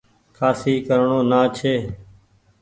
کآسي ڪرڻو نآ ڇي ۔